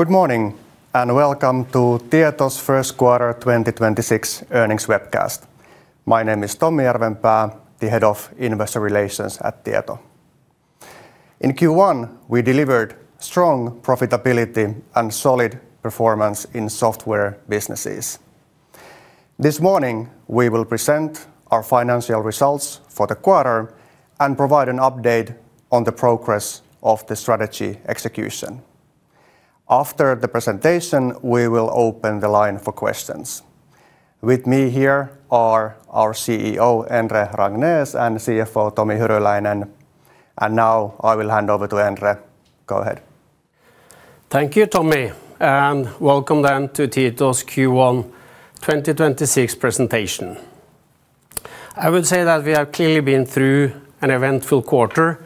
Good morning. Welcome to Tieto's first quarter 2026 earnings webcast. My name is Tommi Järvenpää, the Head of Investor Relations at Tieto. In Q1, we delivered strong profitability and solid performance in software businesses. This morning, we will present our financial results for the quarter and provide an update on the progress of the strategy execution. After the presentation, we will open the line for questions. With me here are our Chief Executive Officer, Endre Rangnes, and Chief Financial Officer, Tomi Hyryläinen. Now I will hand over to Endre. Go ahead. Thank you, Tomi, welcome to Tieto's Q1 2026 presentation. I would say that we have clearly been through an eventful quarter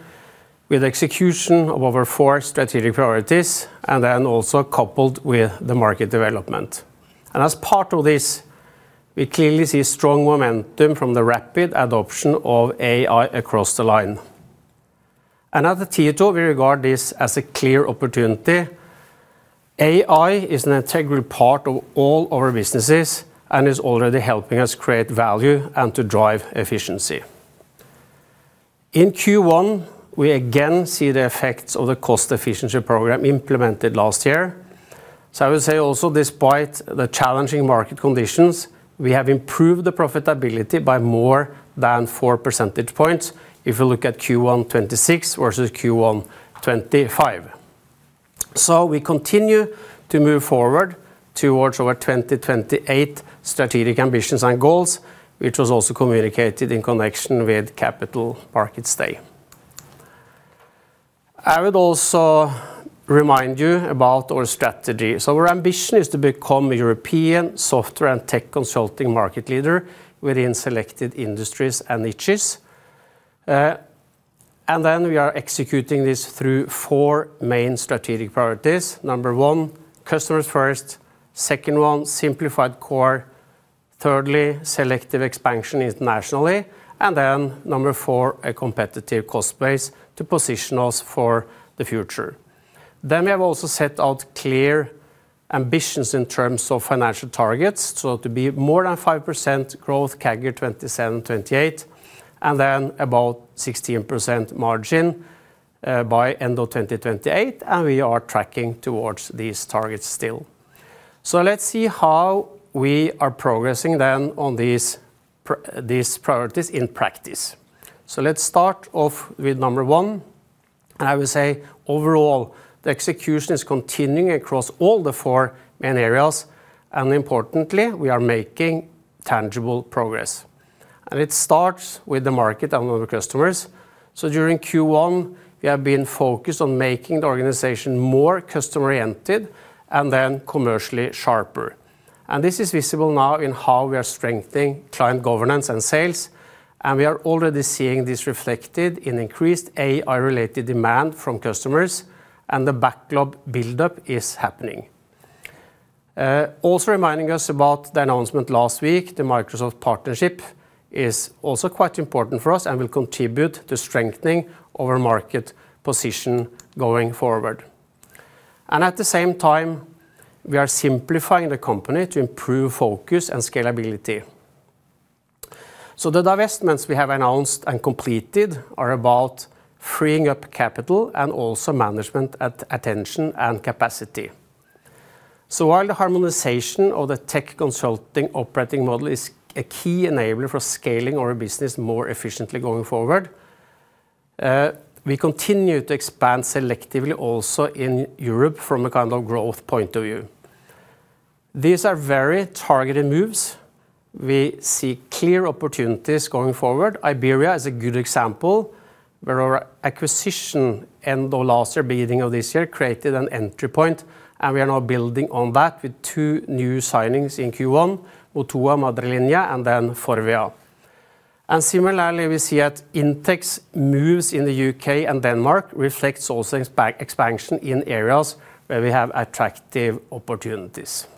with execution of our four strategic priorities, also coupled with the market development. As part of this, we clearly see strong momentum from the rapid adoption of AI across the line. At Tieto, we regard this as a clear opportunity. AI is an integral part of all our businesses and is already helping us create value and to drive efficiency. In Q1, we again see the effects of the cost-efficiency program implemented last year. I would say also, despite the challenging market conditions, we have improved the profitability by more than 4 percentage points if you look at Q1 2026 versus Q1 2025. We continue to move forward towards our 2028 strategic ambitions and goals, which was also communicated in connection with Capital Markets Day. I would also remind you about our strategy. Our ambition is to become a European software and tech consulting market leader within selected industries and niches. We are executing this through four main strategic priorities. Number one, customers first, second one, simplified core, thirdly, selective expansion internationally, number four, a competitive cost base to position us for the future. We have also set out clear ambitions in terms of financial targets. To be more than 5% growth CAGR 2027-2028, about 16% margin by end of 2028, and we are tracking towards these targets still. Let's see how we are progressing then on these priorities in practice. Let's start off with number one. I will say, overall, the execution is continuing across all the four main areas, importantly, we are making tangible progress. It starts with the market and with the customers. During Q1, we have been focused on making the organization more customer-oriented and then commercially sharper. This is visible now in how we are strengthening client governance and sales, and we are already seeing this reflected in increased AI-related demand from customers, and the backlog buildup is happening. Also reminding us about the announcement last week, the Microsoft partnership is also quite important for us and will contribute to strengthening our market position going forward. At the same time, we are simplifying the company to improve focus and scalability. The divestments we have announced and completed are about freeing up capital and also management attention and capacity. While the harmonization of the Tieto Tech Consulting operating model is a key enabler for scaling our business more efficiently going forward, we continue to expand selectively also in Europe from a kind of growth point of view. These are very targeted moves. We see clear opportunities going forward. Tieto Iberia is a good example where our acquisition end of last year, beginning of this year, created an entry point, and we are now building on that with two new signings in Q1, O2 Madrileña and then FORVIA. Similarly, we see that Tieto Indtech's moves in the U.K. and Denmark reflects also expansion in areas where we have attractive opportunities.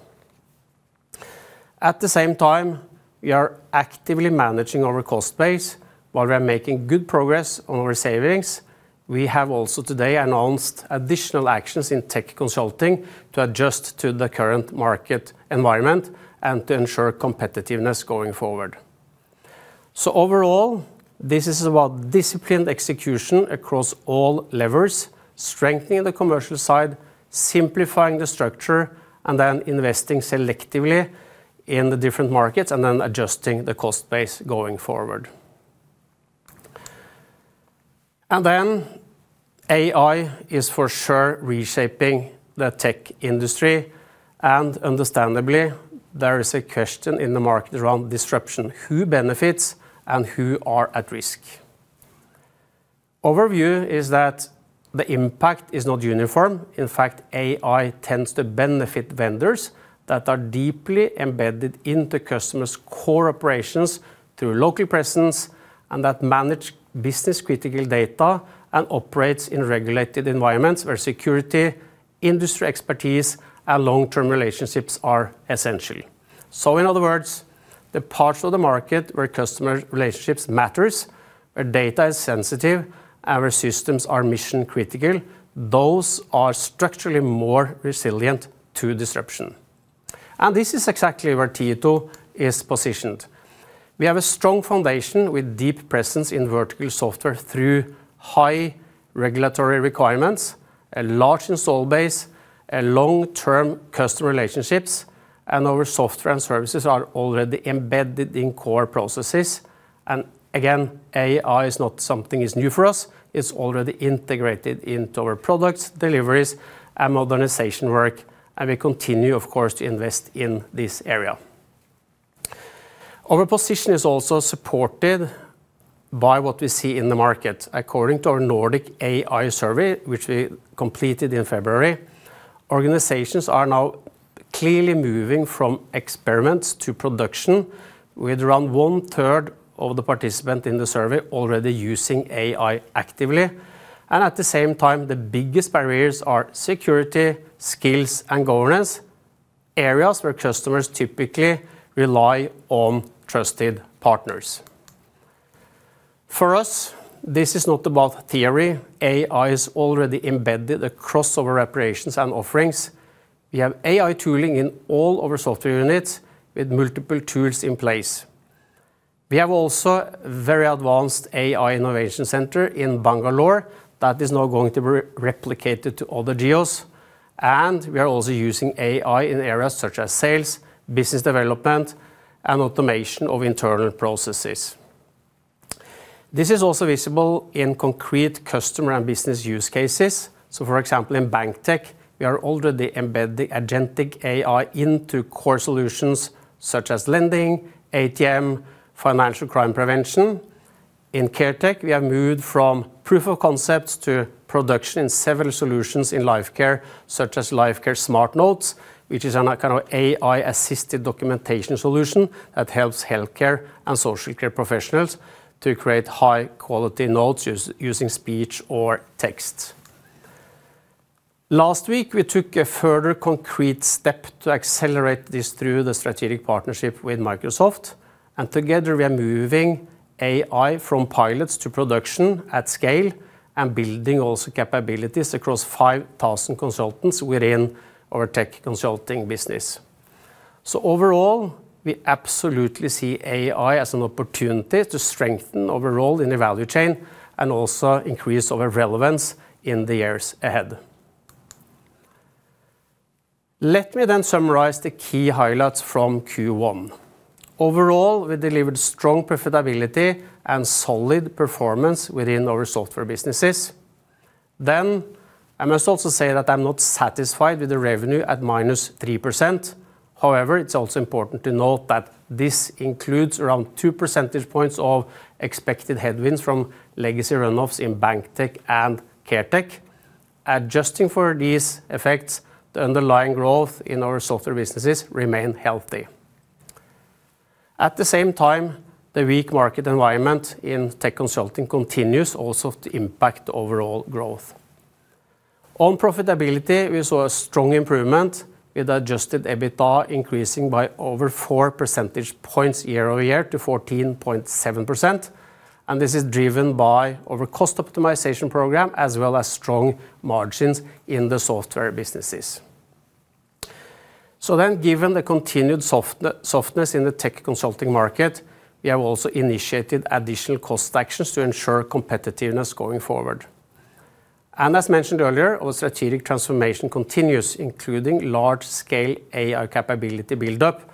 At the same time, we are actively managing our cost base while we are making good progress on our savings. We have also today announced additional actions in Tieto Tech Consulting to adjust to the current market environment and to ensure competitiveness going forward. Overall, this is about disciplined execution across all levers, strengthening the commercial side, simplifying the structure, investing selectively in the different markets, adjusting the cost base going forward. AI is for sure reshaping the tech industry, and understandably, there is a question in the market around disruption, who benefits and who are at risk? Overview is that the impact is not uniform. In fact, AI tends to benefit vendors that are deeply embedded in the customer's core operations through local presence and that manage business-critical data and operates in regulated environments where security, industry expertise, and long-term relationships are essential. In other words, the parts of the market where customer relationships matters, where data is sensitive, and where systems are mission-critical, those are structurally more resilient to disruption. This is exactly where Tieto is positioned. We have a strong foundation with deep presence in vertical software through high regulatory requirements, a large install base, and long-term customer relationships, and our software and services are already embedded in core processes. Again, AI is not something is new for us. It's already integrated into our products, deliveries, and modernization work, and we continue, of course, to invest in this area. Our position is also supported by what we see in the market. According to our Nordic AI survey, which we completed in February, organizations are now clearly moving from experiments to production with around one-third of the participant in the survey already using AI actively. At the same time, the biggest barriers are security, skills, and governance, areas where customers typically rely on trusted partners. For us, this is not about theory. AI is already embedded across our operations and offerings. We have AI tooling in all our software units with multiple tools in place. We have also very advanced AI innovation center in Bangalore that is now going to be replicated to other geos. We are also using AI in areas such as sales, business development, and automation of internal processes. This is also visible in concrete customer and business use cases. For example, in BankTech, we are already embedding agentic AI into core solutions such as lending, ATM, financial crime prevention. In CareTech, we have moved from proof of concepts to production in several solutions in Lifecare, such as Lifecare Smart Notes, which is a kind of AI-assisted documentation solution that helps healthcare and social care professionals to create high-quality notes using speech or text. Last week, we took a further concrete step to accelerate this through the strategic partnership with Microsoft. Together, we are moving AI from pilots to production at scale and building also capabilities across 5,000 consultants within our Tech Consulting business. Overall, we absolutely see AI as an opportunity to strengthen our role in the value chain and also increase our relevance in the years ahead. Let me summarize the key highlights from Q1. Overall, we delivered strong profitability and solid performance within our software businesses. I must also say that I'm not satisfied with the revenue at -3%. However, it's also important to note that this includes around 2 percentage points of expected headwinds from legacy runoffs in BankTech and CareTech. Adjusting for these effects, the underlying growth in our software businesses remain healthy. At the same time, the weak market environment inTech Consulting continues also to impact overall growth. On profitability, we saw a strong improvement with adjusted EBITDA increasing by over 4 percentage points year-over-year to 14.7%. This is driven by our cost optimization program as well as strong margins in the software businesses. Given the continued softness in the Tech Consulting market, we have also initiated additional cost actions to ensure competitiveness going forward. As mentioned earlier, our strategic transformation continues, including large-scale AI capability buildup,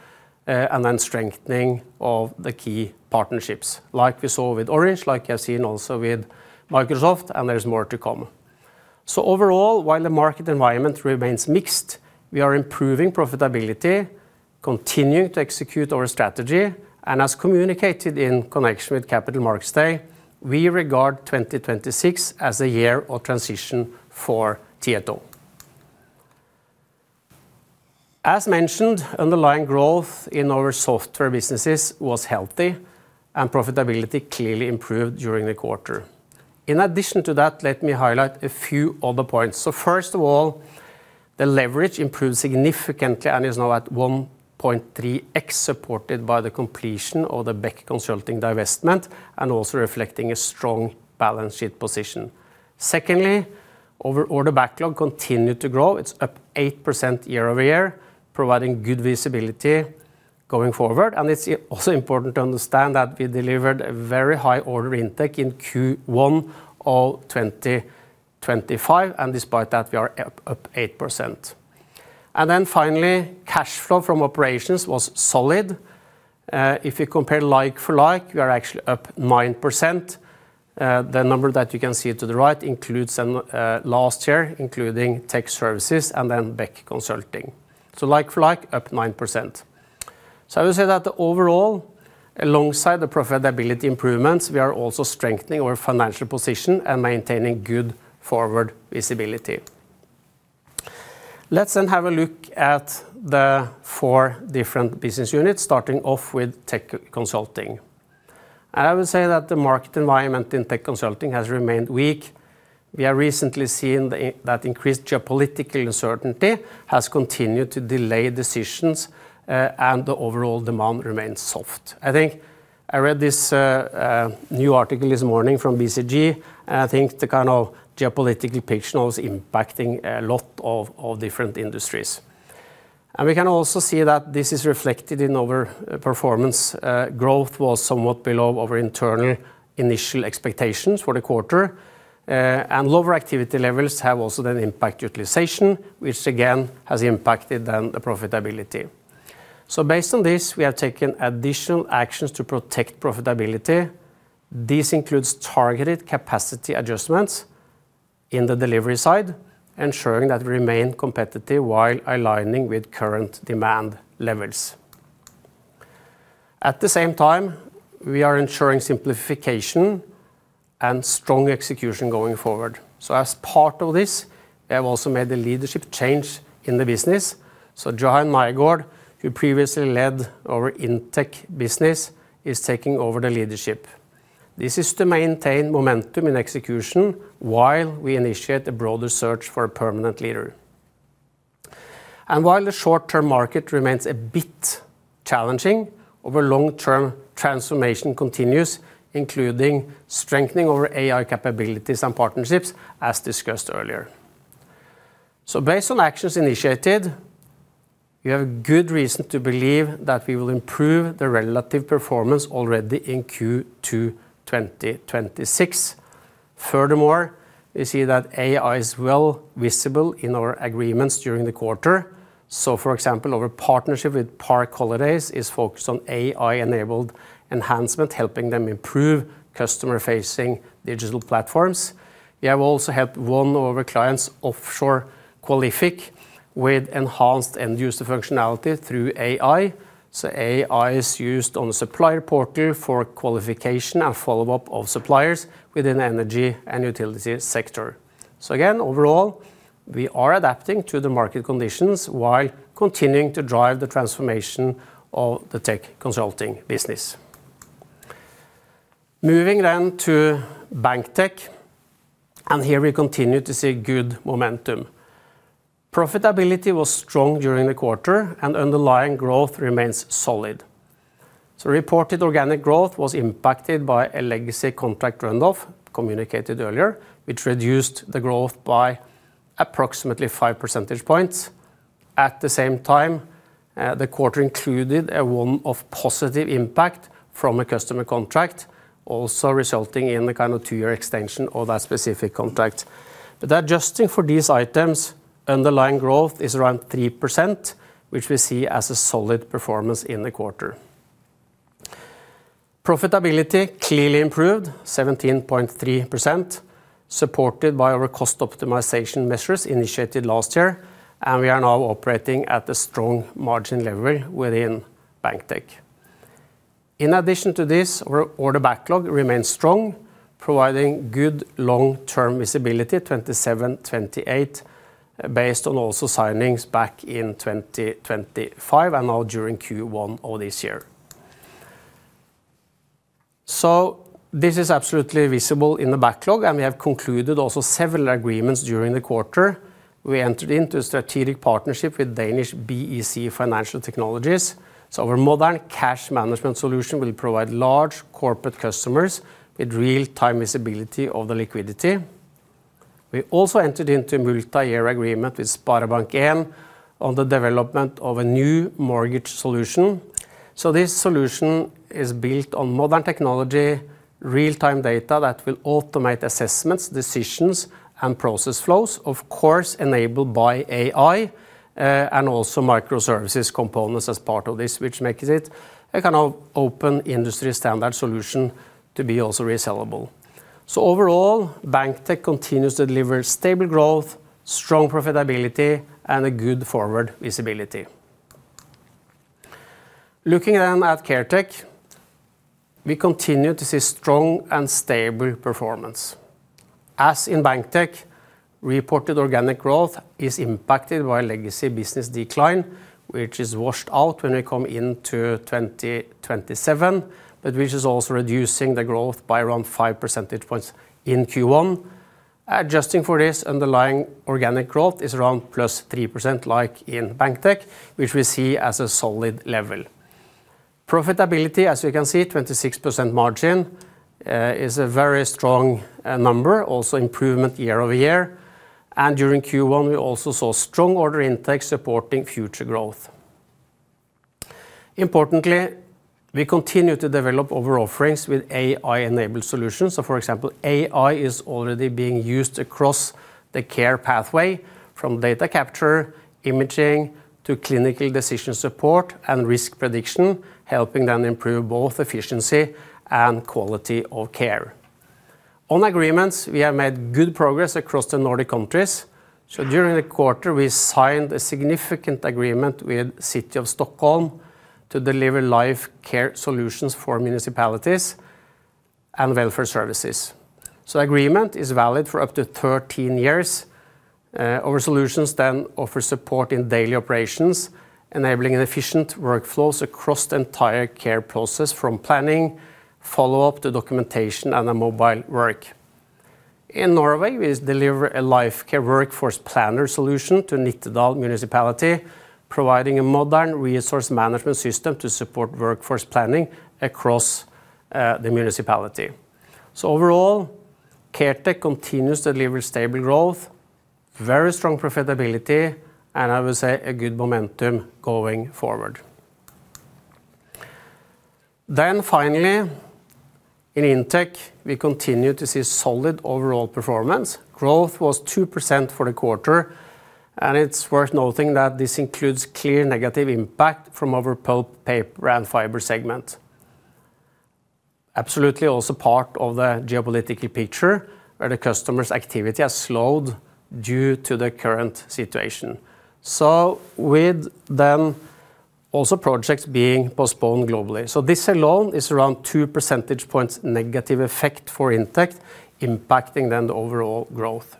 and then strengthening of the key partnerships, like we saw with Orange, like you have seen also with Microsoft, and there is more to come. Overall, while the market environment remains mixed, we are improving profitability, continuing to execute our strategy, and as communicated in connection with Capital Markets Day, we regard 2026 as a year of transition for Tieto. As mentioned, underlying growth in our software businesses was healthy, and profitability clearly improved during the quarter. In addition to that, let me highlight a few other points. First of all, the leverage improved significantly and is now at 1.3x, supported by the completion of the Bekk Consulting AS divestment and also reflecting a strong balance sheet position. Secondly, our order backlog continued to grow. It's up 8% year-over-year, providing good visibility going forward. It's also important to understand that we delivered a very high order intake in Q1 of 2025, and despite that we are up 8%. Finally, cash flow from operations was solid. If you compare like for like, we are actually up 9%. The number that you can see to the right includes some last year, including tech services and then Bekk Consulting AS. Like for like, up 9%. I will say that overall, alongside the profitability improvements, we are also strengthening our financial position and maintaining good forward visibility. Let's then have a look at the four different business units, starting off with Tech Consulting. I would say that the market environment inTech Consulting has remained weak. We have recently seen that increased geopolitical uncertainty has continued to delay decisions, and the overall demand remains soft. I think I read this new article this morning from BCG, and I think the kind of geopolitical picture was impacting a lot of different industries. We can also see that this is reflected in our performance. Growth was somewhat below our internal initial expectations for the quarter. Lower activity levels have also then impacted utilization, which again has impacted then the profitability. Based on this, we have taken additional actions to protect profitability. This includes targeted capacity adjustments in the delivery side, ensuring that we remain competitive while aligning with current demand levels. At the same time, we are ensuring simplification and strong execution going forward. As part of this, we have also made a leadership change in the business. Johan Nygaard, who previously led our Indtech business, is taking over the leadership. This is to maintain momentum and execution while we initiate a broader search for a permanent leader. While the short-term market remains a bit challenging, our long-term transformation continues, including strengthening our AI capabilities and partnerships, as discussed earlier. Based on actions initiated, we have good reason to believe that we will improve the relative performance already in Q2 2026. Furthermore, we see that AI is well visible in our agreements during the quarter. For example, our partnership with Park Holidays is focused on AI-enabled enhancement, helping them improve customer-facing digital platforms. We have also helped one of our clients offshore Qualific with enhanced end-user functionality through AI. AI is used on the supplier portal for qualification and follow-up of suppliers within the energy and utility sector. Again, overall, we are adapting to the market conditions while continuing to drive the transformation of the Tech Consulting business. Moving to BankTech, here we continue to see good momentum. Profitability was strong during the quarter, and underlying growth remains solid. Reported organic growth was impacted by a legacy contract runoff, communicated earlier, which reduced the growth by approximately 5 percentage points. At the same time, the quarter included a one-off positive impact from a customer contract, also resulting in a kind of two-year extension of that specific contract. Adjusting for these items, underlying growth is around 3%, which we see as a solid performance in the quarter. Profitability clearly improved 17.3%, supported by our cost optimization measures initiated last year. We are now operating at a strong margin level within BankTech. In addition to this, our order backlog remains strong, providing good long-term visibility, 2027, 2028, based on also signings back in 2025 and now during Q1 of this year. This is absolutely visible in the backlog. We have concluded also several agreements during the quarter. We entered into a strategic partnership with Danish BEC Financial Technologies. Our modern cash management solution will provide large corporate customers with real-time visibility of the liquidity. We also entered into a multi-year agreement with SpareBank 1 on the development of a new mortgage solution. This solution is built on modern technology, real-time data that will automate assessments, decisions, and process flows, of course, enabled by AI, and also microservices components as part of this, which makes it a kind of open industry standard solution to be also resellable. Overall, BankTech continues to deliver stable growth, strong profitability, and a good forward visibility. Looking at CareTech, we continue to see strong and stable performance. As in BankTech, reported organic growth is impacted by legacy business decline, which is washed out when we come into 2027, but which is also reducing the growth by around 5 percentage points in Q1. Adjusting for this underlying organic growth is around +3%, like in BankTech, which we see as a solid level. Profitability, as you can see, 26% margin, is a very strong number, also improvement year-over-year. During Q1, we also saw strong order intake supporting future growth. Importantly, we continue to develop our offerings with AI-enabled solutions. For example, AI is already being used across the care pathway from data capture, imaging, to clinical decision support and risk prediction, helping them improve both efficiency and quality of care. On agreements, we have made good progress across the Nordic countries. During the quarter, we signed a significant agreement with City of Stockholm to deliver life care solutions for municipalities and welfare services. Agreement is valid for up to 13 years. Our solutions offer support in daily operations, enabling efficient workflows across the entire care process from planning, follow-up to documentation and a mobile work. In Norway, we've delivered a life care workforce planner solution to Nittedal Municipality, providing a modern resource management system to support workforce planning across the municipality. Overall, CareTech continues to deliver stable growth, very strong profitability, and I would say a good momentum going forward. Finally, in Indtech, we continue to see solid overall performance. Growth was 2% for the quarter, and it's worth noting that this includes clear negative impact from our pulp, paper and fiber segment. Absolutely also part of the geopolitical picture where the customer's activity has slowed due to the current situation. With them, also projects being postponed globally. This alone is around 2 percentage points negative effect for Indtech impacting then the overall growth.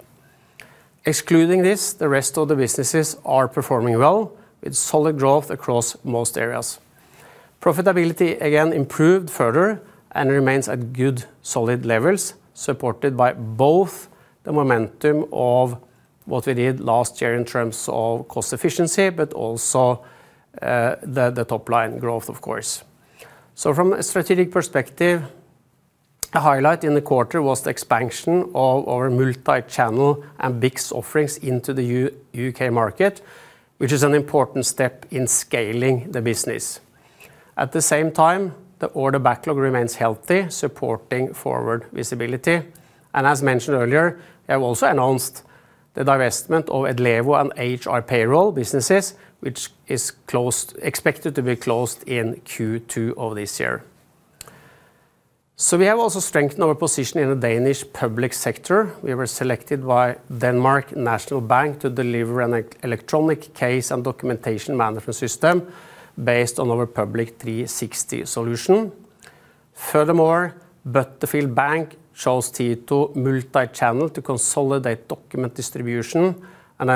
Excluding this, the rest of the businesses are performing well with solid growth across most areas. Profitability again improved further and remains at good solid levels, supported by both the momentum of what we did last year in terms of cost efficiency, but also the top line growth of course. From a strategic perspective, a highlight in the quarter was the expansion of our multichannel and BIX offerings into the U.K. market, which is an important step in scaling the business. At the same time, the order backlog remains healthy, supporting forward visibility. As mentioned earlier, we have also announced the divestment of Edlevo and HR & Payroll businesses, which is expected to be closed in Q2 of this year. We have also strengthened our position in the Danish public sector. We were selected by Danmarks Nationalbank to deliver an electronic case and documentation management system based on our Public 360 solution. Furthermore, Butterfield Bank chose Tieto Multichannel to consolidate document distribution,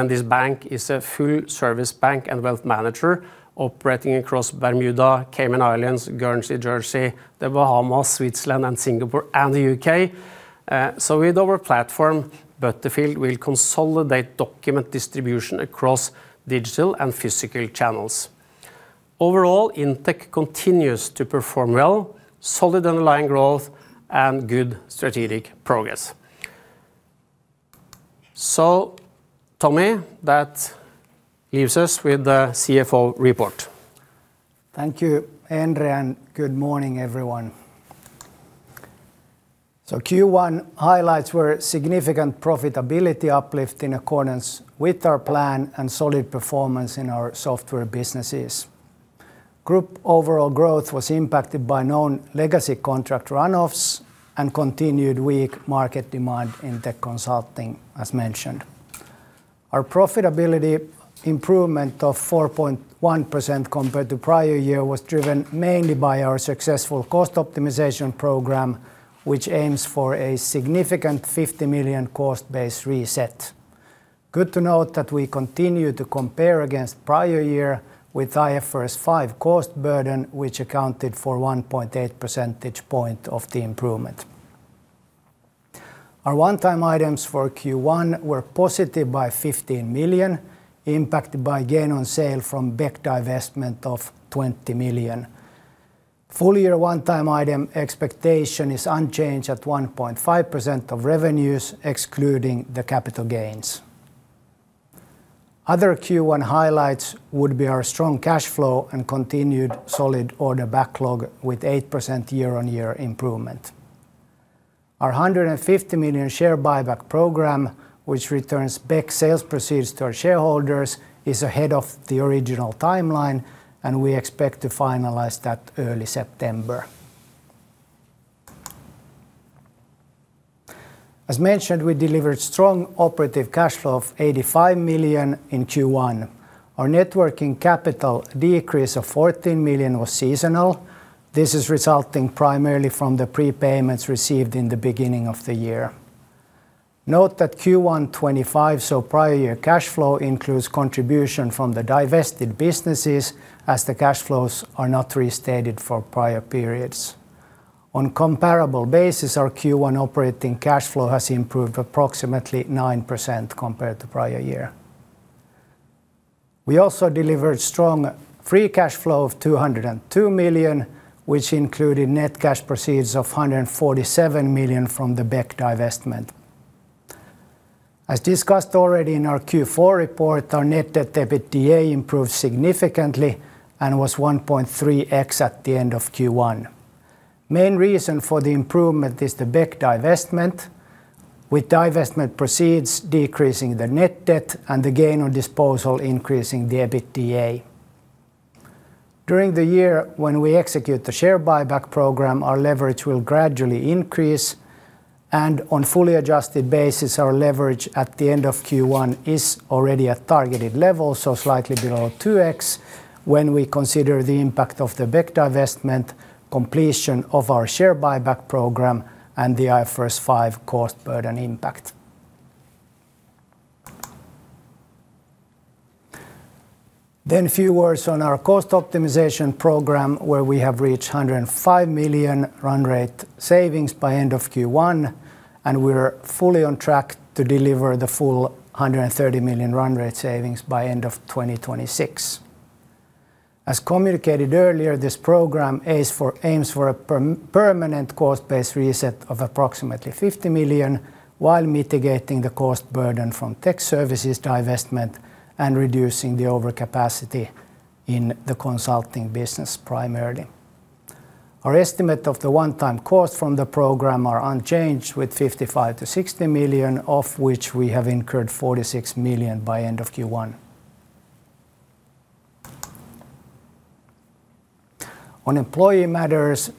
this bank is a full service bank and wealth manager operating across Bermuda, Cayman Islands, Guernsey, Jersey, the Bahamas, Switzerland and Singapore and the U.K. With our platform, Butterfield will consolidate document distribution across digital and physical channels. Overall, Indtech continues to perform well, solid underlying growth and good strategic progress. Tomi, that leaves us with the Chief Financial Officer report. Thank you, Endre, and good morning, everyone. Q1 highlights were significant profitability uplift in accordance with our plan and solid performance in our software businesses. Group overall growth was impacted by known legacy contract runoffs and continued weak market demand inTech Consulting, as mentioned. Our profitability improvement of 4.1% compared to prior year was driven mainly by our successful cost optimization program, which aims for a significant 50 million cost base reset. Good to note that we continue to compare against prior year with IFRS 5 cost burden, which accounted for 1.8 percentage point of the improvement. Our one-time items for Q1 were positive by 15 million, impacted by gain on sale from BEC divestment of 20 million. Full year one-time item expectation is unchanged at 1.5% of revenues, excluding the capital gains. Other Q1 highlights would be our strong cash flow and continued solid order backlog with 8% year-on-year improvement. Our 150 million share buyback program, which returns BEC sales proceeds to our shareholders, is ahead of the original timeline. We expect to finalize that early September. As mentioned, we delivered strong operative cash flow of 85 million in Q1. Our networking capital decrease of 14 million was seasonal. This is resulting primarily from the prepayments received in the beginning of the year. Note that Q1 2025, so prior year cash flow, includes contribution from the divested businesses as the cash flows are not restated for prior periods. On comparable basis, our Q1 operating cash flow has improved approximately 9% compared to prior year. We also delivered strong free cash flow of 202 million, which included net cash proceeds of 147 million from the BEC divestment. As discussed already in our Q4 report, our net debt/EBITDA improved significantly and was 1.3x at the end of Q1. Main reason for the improvement is the BEC divestment, with divestment proceeds decreasing the net debt and the gain on disposal increasing the EBITDA. During the year when we execute the share buyback program, our leverage will gradually increase and on fully adjusted basis, our leverage at the end of Q1 is already at targeted level, so slightly below 2x when we consider the impact of the BEC divestment, completion of our share buyback program and the IFRS 5 cost burden impact. A few words on our cost optimization program where we have reached 105 million run rate savings by end of Q1, and we're fully on track to deliver the full 130 million run rate savings by end of 2026. As communicated earlier, this program aims for a permanent cost base reset of approximately 50 million, while mitigating the cost burden from tech services divestment and reducing the overcapacity in the consulting business primarily. Our estimate of the one-time cost from the program are unchanged with 55 million to 60 million, of which we have incurred 46 million by end of Q1. On employee matters,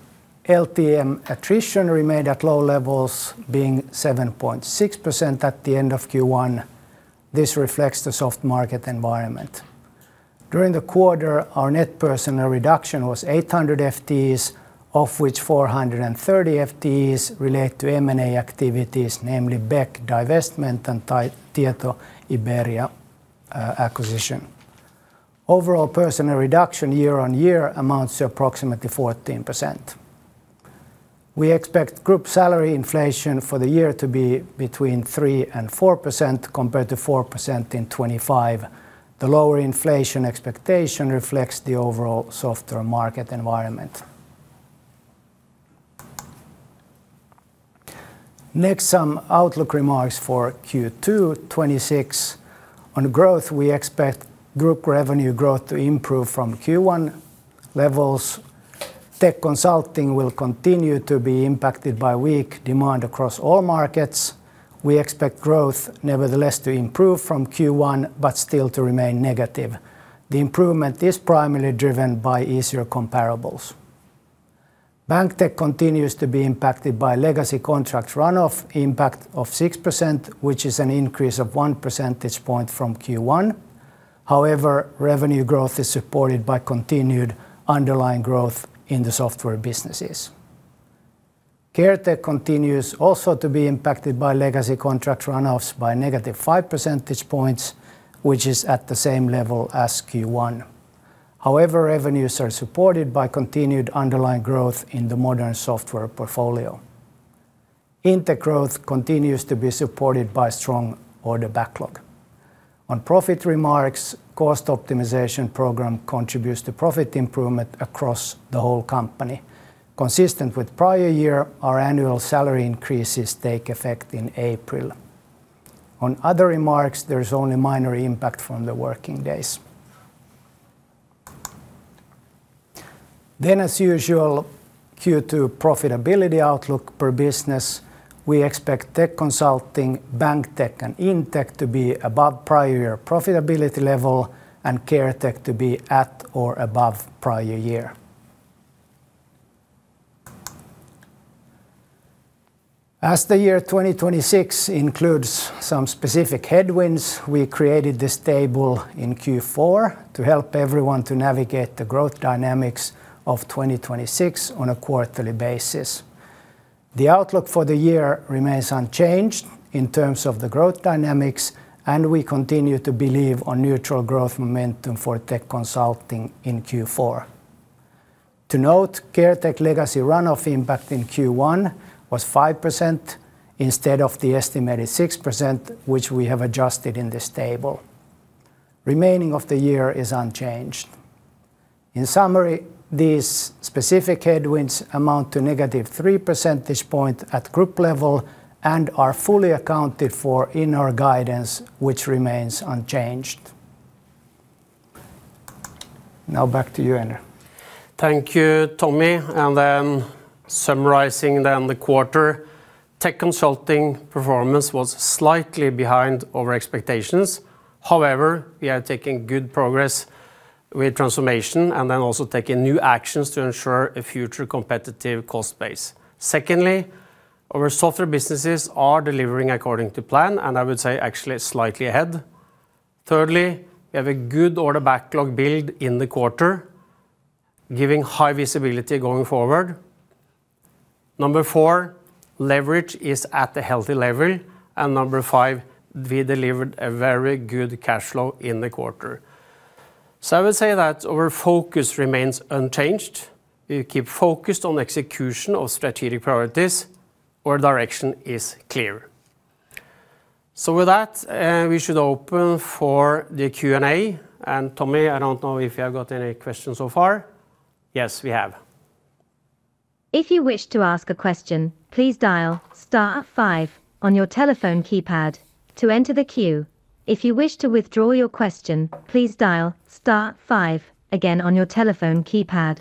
LTM attrition remained at low levels, being 7.6% at the end of Q1. This reflects the soft market environment. During the quarter, our net personnel reduction was 800 FTEs, of which 430 FTEs relate to M&A activities, namely BEC divestment and Tieto Iberia acquisition. Overall personnel reduction year-on-year amounts to approximately 14%. We expect group salary inflation for the year to be between 3% and 4% compared to 4% in 2025. The lower inflation expectation reflects the overall softer market environment. Next, some outlook remarks for Q2 2026. On growth, we expect group revenue growth to improve from Q1 levels. Tech Consulting will continue to be impacted by weak demand across all markets. We expect growth nevertheless to improve from Q1, but still to remain negative. The improvement is primarily driven by easier comparables. Tieto BankTech continues to be impacted by legacy contracts run-off impact of 6%, which is an increase of 1 percentage point from Q1. However, revenue growth is supported by continued underlying growth in the software businesses. Tieto CareTech continues also to be impacted by legacy contract run-offs by negative 5 percentage points, which is at the same level as Q1. However, revenues are supported by continued underlying growth in the modern software portfolio. Tieto Indtech growth continues to be supported by strong order backlog. On profit remarks, cost optimization program contributes to profit improvement across the whole company. Consistent with prior year, our annual salary increases take effect in April. On other remarks, there is only minor impact from the working days. As usual, Q2 profitability outlook per business. We expect Tech Consulting, BankTech, and Indtech to be above prior year profitability level and CareTech to be at or above prior year. As the year 2026 includes some specific headwinds, we created this table in Q4 to help everyone to navigate the growth dynamics of 2026 on a quarterly basis. The outlook for the year remains unchanged in terms of the growth dynamics. We continue to believe on neutral growth momentum for Tech Consulting in Q4. To note, CareTech legacy run-off impact in Q1 was 5% instead of the estimated 6%, which we have adjusted in this table. Remaining of the year is unchanged. In summary, these specific headwinds amount to negative 3 percentage points at group level and are fully accounted for in our guidance, which remains unchanged. Now back to you, Endre Rangnes. Thank you, Tomi. Summarizing the quarter, Tech Consulting performance was slightly behind our expectations. However, we are taking good progress with transformation and also taking new actions to ensure a future competitive cost base. Secondly, our software businesses are delivering according to plan, I would say actually slightly ahead. Thirdly, we have a good order backlog build in the quarter, giving high visibility going forward. Number four, leverage is at a healthy level. Number five, we delivered a very good cash flow in the quarter. I would say that our focus remains unchanged. We keep focused on execution of strategic priorities. Our direction is clear. With that, we should open for the Q&A. Tomi, I don't know if you have got any questions so far. Yes, we have. If you wish to ask a question, please dial star five on your telephone keypad to enter the queue. If you wish to withdraw your question, please dial star five again on your telephone keypad.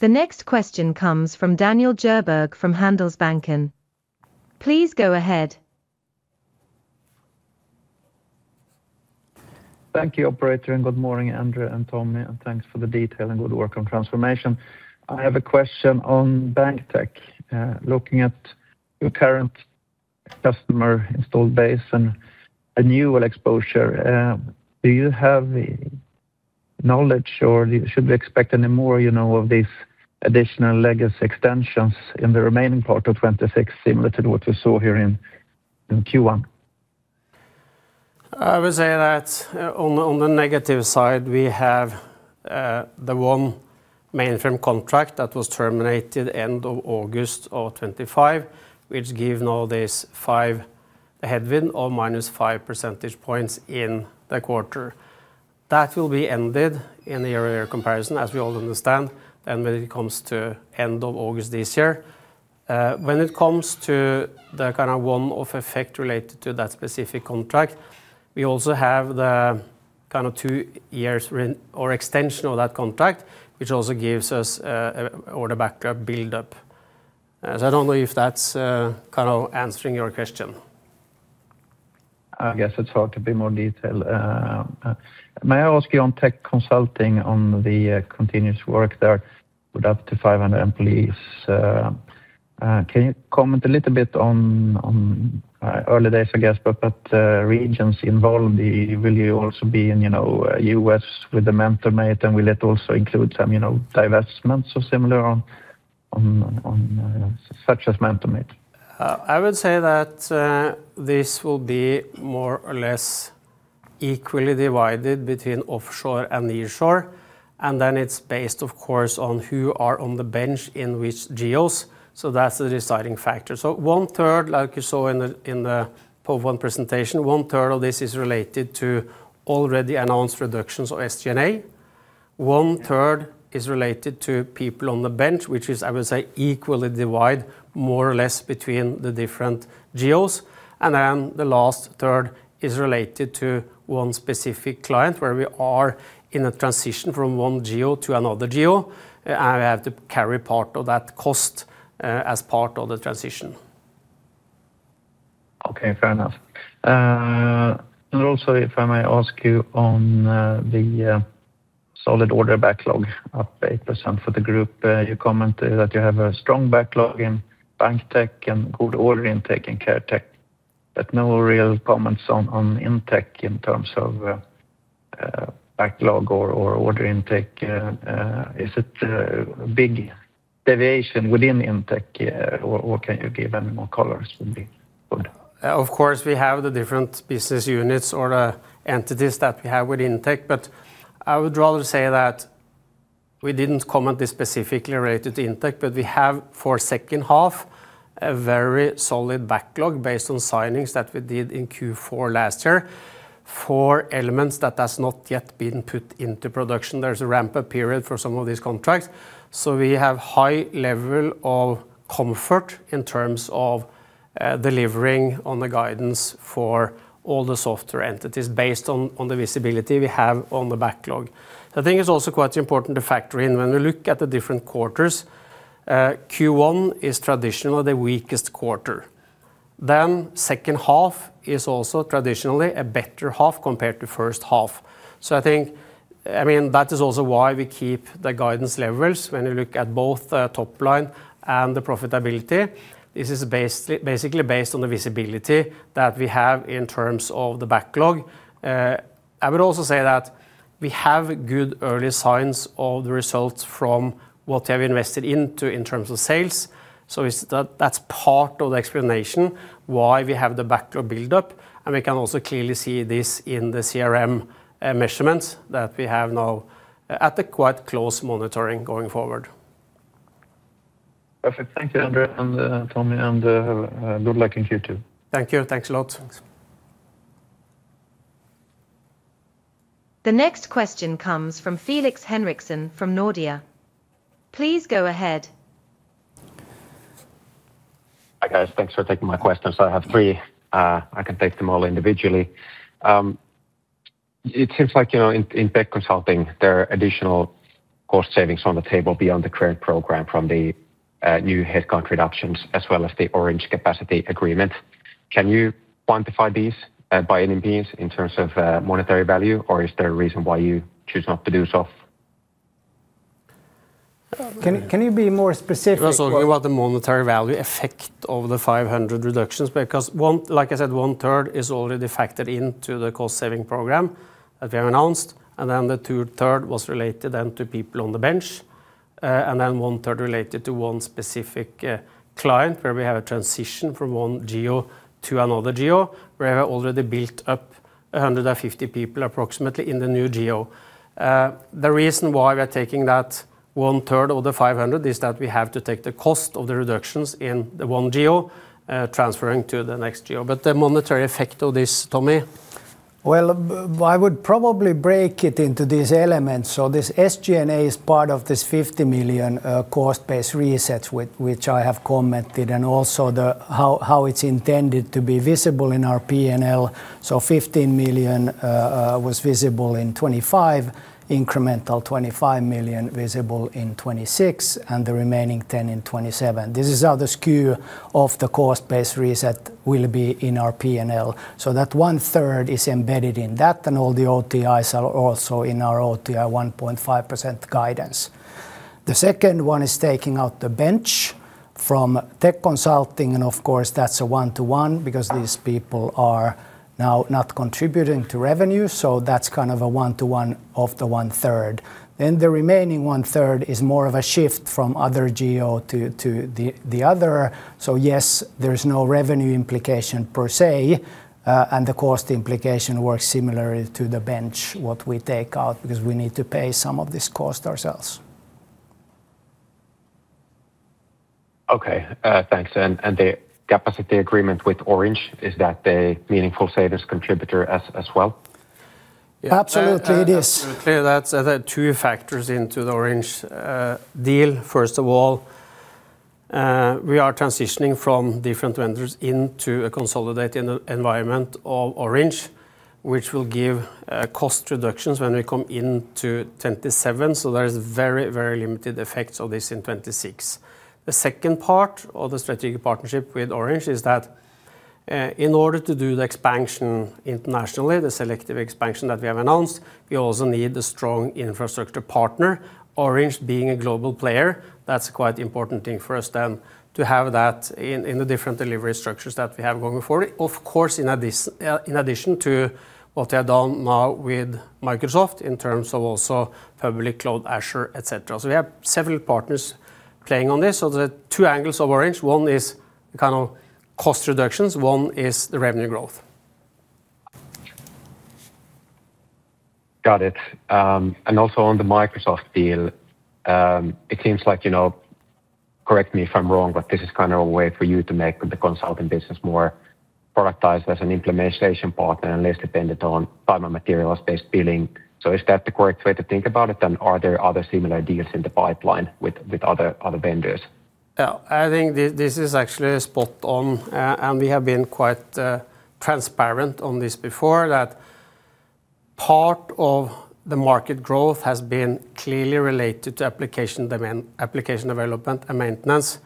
The next question comes from Daniel Gerber from Handelsbanken. Please go ahead. Thank you, operator, and good morning, Endre and Tomi, and thanks for the detail and good work on transformation. I have a question on Tieto BankTech. Looking at your current customer installed base and annual exposure, do you have knowledge or should we expect any more, you know, of these additional legacy extensions in the remaining part of 2026 similar to what we saw here in Q1? I would say that on the negative side, we have, the one mainframe contract that was terminated end of August of 2025, which given all this five headwind or -5 percentage points in the quarter. That will be ended in the earlier comparison, as we all understand, and when it comes to end of August this year. When it comes to the kind of one-off effect related to that specific contract, we also have the kind of two years extension of that contract, which also gives us a order backup buildup. I don't know if that's, kind of answering your question. I guess it's hard to be more detailed. May I ask you on Tieto Tech Consulting on the continuous work there with up to 500 employees. Can you comment a little bit on early days I guess, but regions involved? Will you also be in, you know, U.S. with the MentorMate, and will it also include some, you know, divestments or similar such as MentorMate? I would say that this will be more or less equally divided between offshore and nearshore, and then it's based, of course, on who are on the bench in which geos. That's the deciding factor. 1/3, like you saw in the Q1 presentation, 1/3d of this is related to already announced reductions of SG&A. 1/3 is related to people on the bench, which is, I would say, equally divide more or less between the different geos. The last third is related to one specific client where we are in a transition from one geo to another geo, and we have to carry part of that cost as part of the transition. Okay. Fair enough. Also if I may ask you on the solid order backlog up 8% for the group, you commented that you have a strong backlog in bank tech and good order intake in care tech, but no real comments on Indtech in terms of backlog or order Indtech. Is it a big deviation within Indtech, or can you give any more colors would be good? Of course, we have the different business units or the entities that we have with Indtech, but I would rather say that we didn't comment this specifically related to Indtech, but we have for second half a very solid backlog based on signings that we did in Q4 last year. For elements that has not yet been put into production, there's a ramp-up period for some of these contracts. We have high level of comfort in terms of delivering on the guidance for all the software entities based on the visibility we have on the backlog. The thing is also quite important to factor in when we look at the different quarters. Q1 is traditionally the weakest quarter. Second half is also traditionally a better half compared to first half. I think, I mean, that is also why we keep the guidance levels when we look at both the top line and the profitability. This is basically based on the visibility that we have in terms of the backlog. I would also say that we have good early signs of the results from what we have invested into in terms of sales. It's that's part of the explanation why we have the backlog buildup, and we can also clearly see this in the CRM measurements that we have now at a quite close monitoring going forward. Perfect. Thank you, Endre and Tomi, and good luck in Q2. Thank you. Thanks a lot. The next question comes from Felix Henriksson from Nordea. Please go ahead. Hi, guys. Thanks for taking my questions. I have three. I can take them all individually. It seems like, you know, inTech Consulting, there are additional cost savings on the table beyond the current program from the new headcount reductions as well as the Orange capacity agreement. Can you quantify these by any means in terms of monetary value, or is there a reason why you choose not to do so? Can you be more specific? He was talking about the monetary value effect of the 500 reductions because, like I said,1/3 is already factored into the cost-saving program that we have announced, and then the two-third was related then to people on the bench, and then one-third related to one specific client where we have a transition from one geo to another geo, where we have already built up 150 people approximately in the new geo. The reason why we are taking that 1/3 of the 500 is that we have to take the cost of the reductions in the one geo, transferring to the next geo. The monetary effect of this, Tomi? I would probably break it into these elements. This SG&A is part of this 50 million cost-based resets which I have commented and also how it's intended to be visible in our P&L. 15 million was visible in 2025, incremental 25 million visible in 2026, and the remaining 10 in 2027. This is how the skew of the cost-based reset will be in our P&L. That 1/3 is embedded in that, and all the OTIs are also in our OTI 1.5% guidance. The second one is taking out the bench from Tieto Tech Consulting and of course, that's a one-to-one because these people are now not contributing to revenue, so that's kind of a one-to-one of the 1/3. The remaining 1/3 is more of a shift from other geo to the other. Yes, there's no revenue implication per se, and the cost implication works similarly to the bench, what we take out because we need to pay some of this cost ourselves. Okay. Thanks. The capacity agreement with Orange, is that a meaningful savings contributor as well? Absolutely it is. Absolutely. That's, there are two factors into the Orange deal. First of all, we are transitioning from different vendors into a consolidated environment of Orange, which will give cost reductions when we come into 2027, so there is very limited effects of this in 2026. The second part of the strategic partnership with Orange is that, in order to do the expansion internationally, the selective expansion that we have announced, we also need a strong infrastructure partner. Orange being a global player, that's a quite important thing for us then to have that in the different delivery structures that we have going forward. Of course, in addition to what they have done now with Microsoft in terms of also public cloud, Azure, et cetera. We have several partners playing on this. The two angles of Orange, one is the kind of cost reductions, one is the revenue growth. Got it. Also on the Microsoft deal, it seems like, you know, correct me if I'm wrong, but this is kind of a way for you to make the consulting business more productized as an implementation partner and less dependent on time and materials-based billing. Is that the correct way to think about it? Are there other similar deals in the pipeline with other vendors? Yeah. I think this is actually spot on. We have been quite transparent on this before that part of the market growth has been clearly related to application development and maintenance,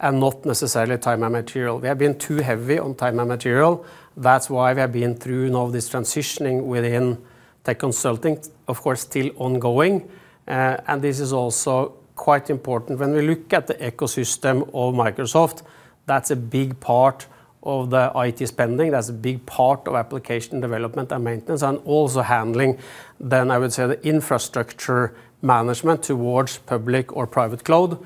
and not necessarily time and material. We have been too heavy on time and material. That's why we have been through now this transitioning within tech consulting, of course, still ongoing. This is also quite important. When we look at the ecosystem of Microsoft, that's a big part of the IT spending. That's a big part of application development and maintenance, and also handling then I would say the infrastructure management towards public or private cloud.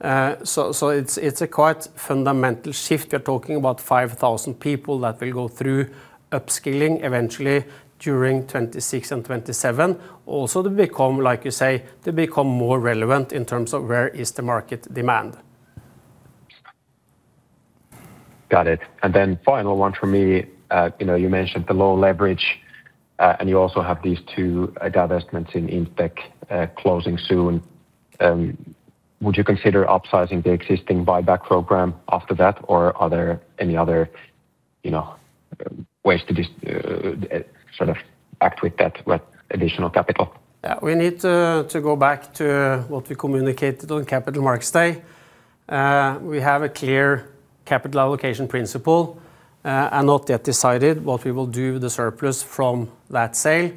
It's a quite fundamental shift. We are talking about 5,000 people that will go through upskilling eventually during 2026 and 2027. Also to become, like you say, to become more relevant in terms of where is the market demand. Got it. Final one from me. You know, you mentioned the low leverage, and you also have these two divestments in Indtech closing soon. Would you consider upsizing the existing buyback program after that? Are there any other, you know, ways to just sort of act with that, what additional capital? We need to go back to what we communicated on Capital Markets Day. We have a clear capital allocation principle, and not yet decided what we will do with the surplus from that sale.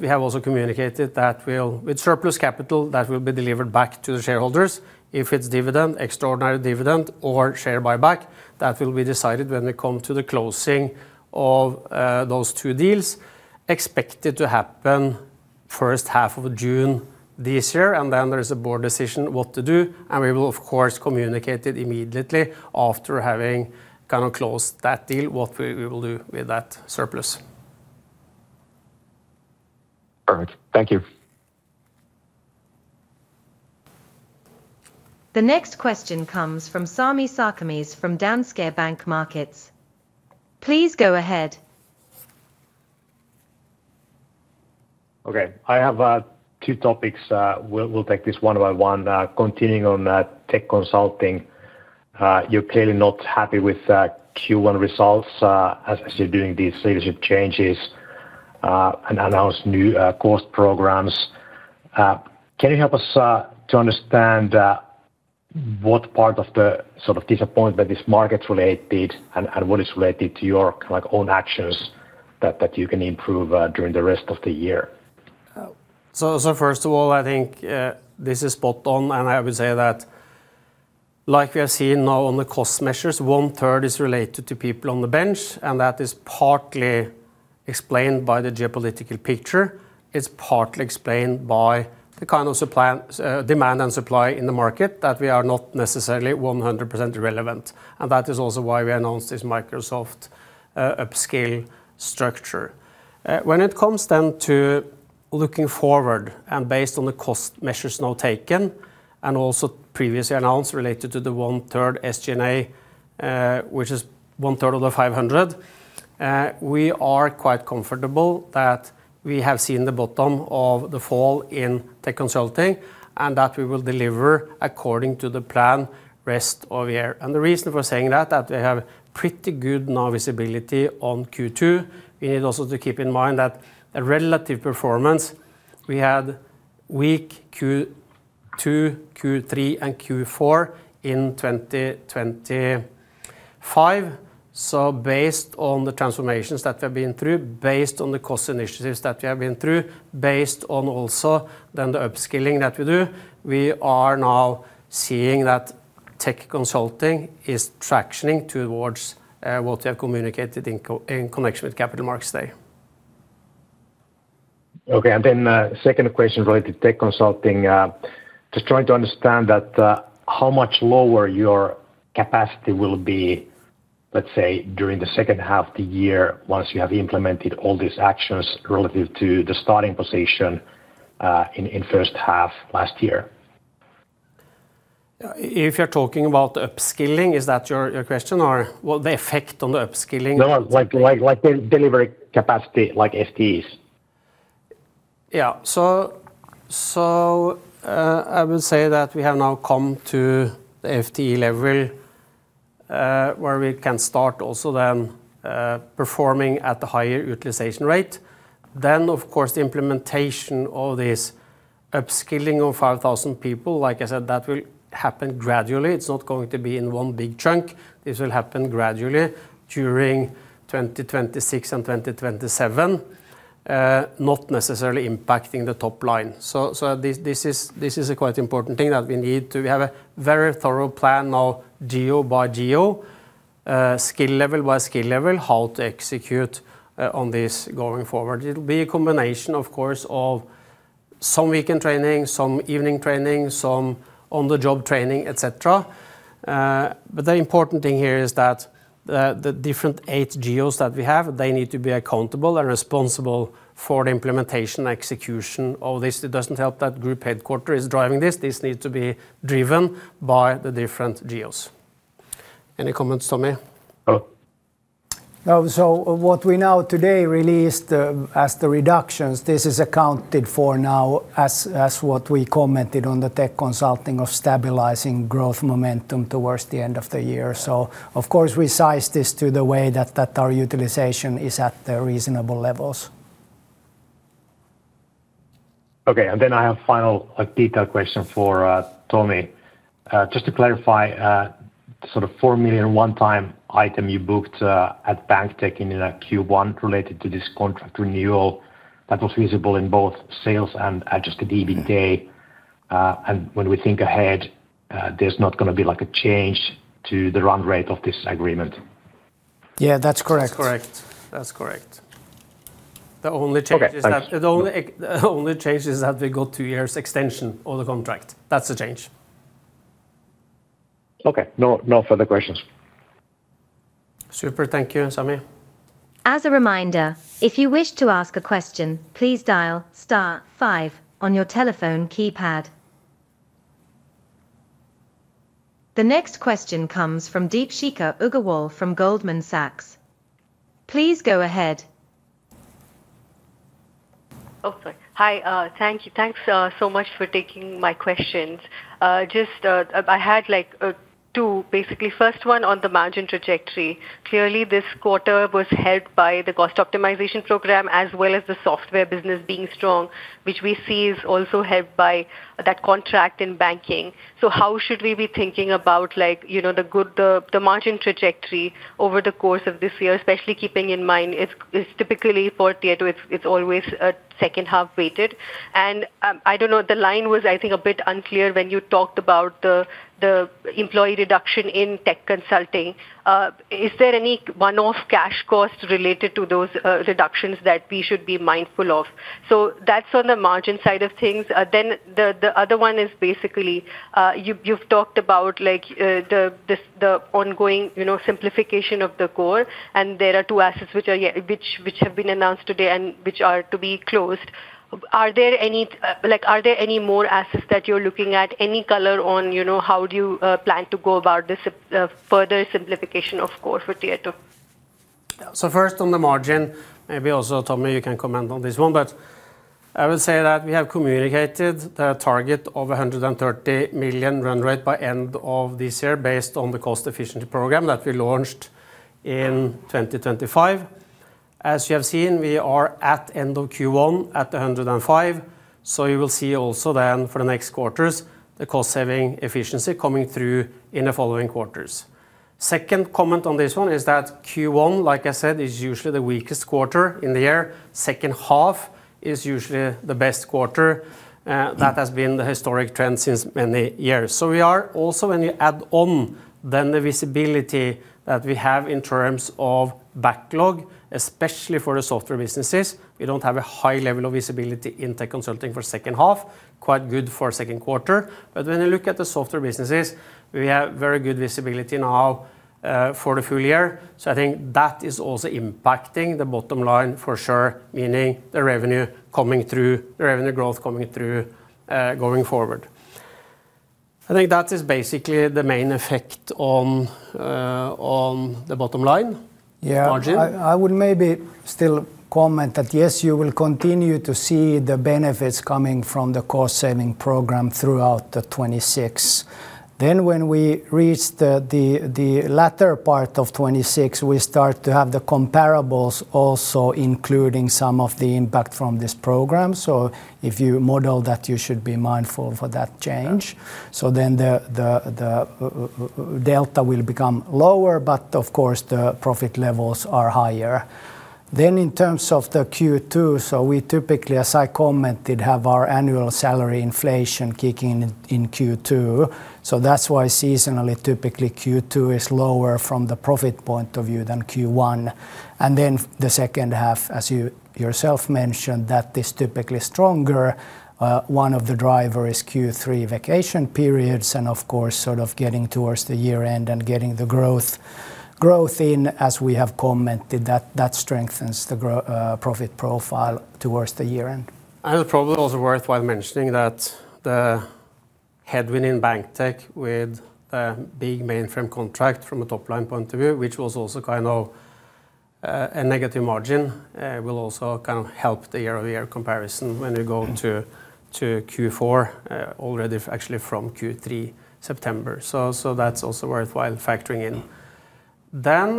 We have also communicated that with surplus capital, that will be delivered back to the shareholders. If it's dividend, extraordinary dividend or share buyback, that will be decided when we come to the closing of those two deals expected to happen first half of June this year. There is a board decision what to do, and we will of course communicate it immediately after having kind of closed that deal, what we will do with that surplus. Perfect. Thank you. The next question comes from Sami Sarkamies from Danske Bank Markets. Please go ahead. Okay. I have two topics. We'll take this one by one. Continuing on that tech consulting, you're clearly not happy with Q1 results as you're doing these leadership changes and announce new cost programs. Can you help us to understand what part of the sort of disappointment is market-related and what is related to your, like, own actions that you can improve during the rest of the year? First of all, I think, this is spot on, and I would say that like we are seeing now on the cost measures, 1/3 is related to people on the bench, and that is partly explained by the geopolitical picture. It's partly explained by the kind of supply, demand and supply in the market that we are not necessarily 100% relevant. That is also why we announced this Microsoft upskill structure. When it comes then to looking forward and based on the cost measures now taken and also previously announced related to the 1/3 SG&A, which is 1/3 of the 500, we are quite comfortable that we have seen the bottom of the fall inTech Consulting, and that we will deliver according to the plan rest of the year. The reason for saying that we have pretty good now visibility on Q2. We need also to keep in mind that the relative performance we had weak Q2, Q3, and Q4 in 2025, so based on the transformations that we have been through, based on the cost initiatives that we have been through, based on also then the upskilling that we do, we are now seeing that tech consulting is tractioning towards what we have communicated in connection with Capital Markets Day. Okay. Second question related to Tech Consulting. Just trying to understand that how much lower your capacity will be, let's say, during the second half of the year once you have implemented all these actions relative to the starting position in first half last year? If you're talking about upskilling, is that your question? No. Like delivery capacity, like FTEs. Yeah. I would say that we have now come to the FTE level, where we can start also then performing at the higher utilization rate. Of course, the implementation of this upskilling of 5,000 people, like I said, that will happen gradually. It's not going to be in one big chunk. This will happen gradually during 2026 and 2027, not necessarily impacting the top line. This is a quite important thing that we need to have a very thorough plan now geo by geo, skill level by skill level, how to execute on this going forward. It'll be a combination, of course, of some weekend training, some evening training, some on-the-job training, et cetera. The important thing here is that the different eight geos that we have, they need to be accountable and responsible for the implementation and execution of this. It doesn't help that group headquarters is driving this. This needs to be driven by the different geos. Any comments, Tomi? No. What we now today released, as the reductions, this is accounted for now as what we commented on the Tieto Tech Consulting of stabilizing growth momentum towards the end of the year. Of course we size this to the way that our utilization is at the reasonable levels. Okay. Then I have final, like, detail question for Tomi. Just to clarify, sort of 4 million one-time item you booked at Banktech in Q1 related to this contract renewal that was visible in both sales and adjusted EBITA. When we think ahead, there's not gonna be, like, a change to the run rate of this agreement? Yeah, that's correct. That's correct. The only change- Okay. Thanks.... is that the only change is that they got two years extension on the contract. That's the change. Okay. No, no further questions. Super. Thank you, Sami. As a reminder, if you wish to ask a question, please dial star five on your telephone keypad. The next question comes from Deepshikha Agarwal from Goldman Sachs. Please go ahead. Okay. Hi, thank you. Thanks so much for taking my questions. Just, I had 2 basically. First one on the margin trajectory. Clearly, this quarter was helped by the cost optimization program as well as the software business being strong, which we see is also helped by that contract in banking. How should we be thinking about, you know, the margin trajectory over the course of this year, especially keeping in mind it's typically for Tieto it's always second half-weighted. I don't know, the line was, I think, a bit unclear when you talked about the employee reduction in Tieto Tech Consulting. Is there any one-off cash costs related to those reductions that we should be mindful of? That's on the margin side of things. The, the other one is basically, you've talked about, like, the, this, the ongoing, you know, simplification of the core, and there are two assets which are which have been announced today and which are to be closed. Are there any, like, are there any more assets that you're looking at? Any color on, you know, how do you plan to go about this further simplification of core for Tieto? First, on the margin, maybe also, Tomi, you can comment on this one, but I would say that we have communicated the target of 130 million run rate by end of this year based on the cost efficiency program that we launched in 2025. As you have seen, we are at end of Q1 at 105, you will see also then for the next quarters the cost-saving efficiency coming through in the following quarters. Second comment on this one is that Q1, like I said, is usually the weakest quarter in the year. Second half is usually the best quarter. That has been the historic trend since many years. We are also, when you add on then the visibility that we have in terms of backlog, especially for the software businesses, we don't have a high level of visibility inTech Consulting for second half. Quite good for second quarter. When you look at the software businesses, we have very good visibility now for the full year. I think that is also impacting the bottom line for sure, meaning the revenue coming through, the revenue growth coming through going forward. I think that is basically the main effect on the bottom line- Yeah. ...margin. I would maybe still comment that yes, you will continue to see the benefits coming from the cost-saving program throughout 2026. When we reach the latter part of 2026, we start to have the comparables also including some of the impact from this program. If you model that, you should be mindful for that change. The delta will become lower, but of course, the profit levels are higher. In terms of the Q2, we typically, as I commented, have our annual salary inflation kicking in Q2. That's why seasonally, typically Q2 is lower from the profit point of view than Q1. The second half, as you yourself mentioned, that is typically stronger. One of the driver is Q3 vacation periods and, of course, sort of getting towards the year-end and getting the growth in as we have commented. That strengthens the profit profile towards the year-end. It probably also worthwhile mentioning that the headwind in BankTech with the big mainframe contract from a top-line point of view, which was also kind of a negative margin, will also kind of help the year-over-year comparison when we go to Q4, already actually from Q3 September. That's also worthwhile factoring in.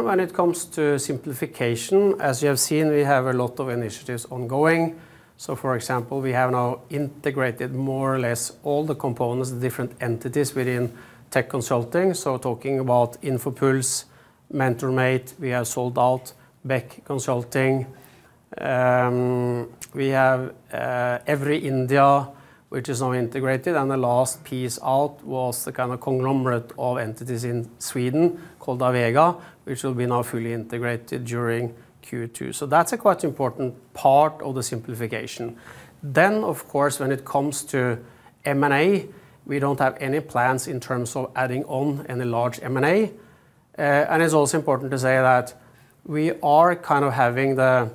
When it comes to simplification, as you have seen, we have a lot of initiatives ongoing. For example, we have now integrated more or less all the components, the different entities within Tech Consulting. Talking about Infopulse, MentorMate, we have sold out Bekk Consulting AS. We have EVRY India, which is now integrated, and the last piece out was the kind of conglomerate of entities in Sweden called Avega, which will be now fully integrated during Q2. That's a quite important part of the simplification. Of course, when it comes to M&A, we don't have any plans in terms of adding on any large M&A. It's also important to say that we are kind of having the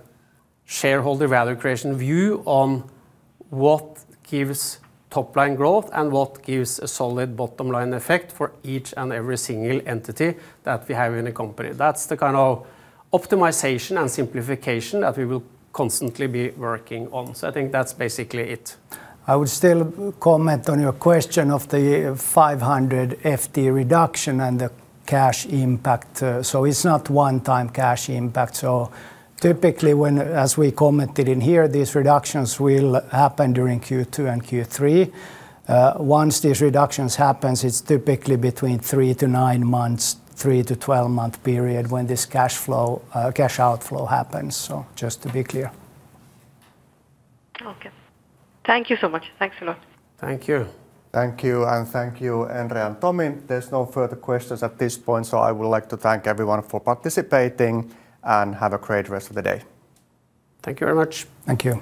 shareholder value creation view on what gives top-line growth and what gives a solid bottom-line effect for each and every single entity that we have in the company. That's the kind of optimization and simplification that we will constantly be working on. I think that's basically it. I would still comment on your question of the 500 FTE reduction and the cash impact. It's not one-time cash impact. Typically, as we commented in here, these reductions will happen during Q2 and Q3. Once these reductions happens, it's typically between three to nine months, three to 12-month period when this cash flow, cash outflow happens, just to be clear. Okay. Thank you so much. Thanks a lot. Thank you. Thank you, and thank you, Endre Rangnes and Tomi. There's no further questions at this point. I would like to thank everyone for participating, and have a great rest of the day. Thank you very much. Thank you.